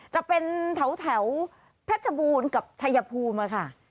จะเป็นแถวแพทยบูนกับชัยภูมิมาค่ะ